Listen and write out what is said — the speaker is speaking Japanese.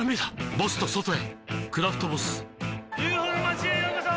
ボスと外へ「クラフトボス」ＵＦＯの町へようこそ！